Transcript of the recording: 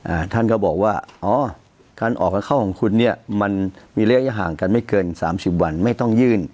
อ่าท่านก็บอกว่าอ๋อการออกเข้าของคุณเนี้ยมันมีระยะห่างกันไม่เกินสามสิบวันไม่ต้องยื่น